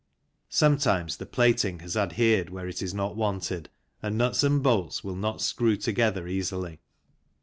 Sometimes the plating has adhered where it is not wanted, and nuts and bolts will not screw together easily.